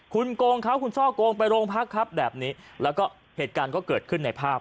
คุณโกงเขาคุณช่อโกงไปโรงพักครับแบบนี้แล้วก็เหตุการณ์ก็เกิดขึ้นในภาพ